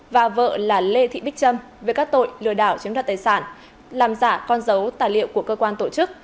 và vợ là lê thị bích trâm về các tội lừa đảo chiếm đoạt tài sản làm giả con dấu tài liệu của cơ quan tổ chức